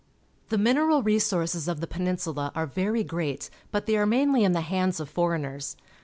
The mineral resources of the Peninsula are very great, but they are mainly in the hands of foreigners.